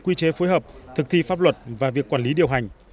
quy chế phối hợp thực thi pháp luật và việc quản lý điều hành